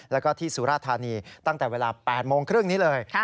แล้วก็ที่สุราธานีตั้งแต่เวลา๘โมงครึ่งนี้เลย